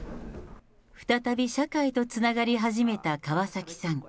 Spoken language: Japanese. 再び社会とつながり始めた川崎さん。